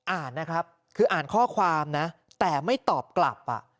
อ่านนะครับคืออ่านข้อความนะแต่ไม่ตอบกลับ